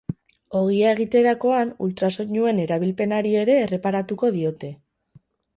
Ogia egiterakoan ultrasoinuen erabilpenari ere erreparatuko diote.